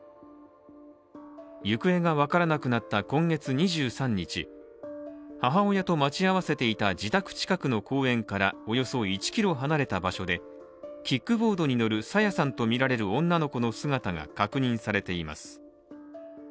行方が分からなくなった今月２３日母親と待ち合わせていた自宅近くの公園からおよそ１ｋｍ離れた場所でキックボードに乗る朝芽さんと見られる女の子の姿が確認されています。